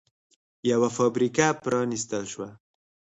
یوه فابریکه پرانېستل شوه